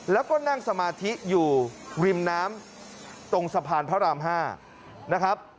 แล้วก็นั่งสมาธิอยู่ริมน้ำตรงสะพานพระราม๕นะครับ